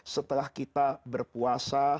setelah kita berpuasa